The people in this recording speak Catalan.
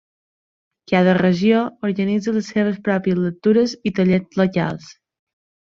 Cada regió organitza les seves pròpies lectures i tallers locals.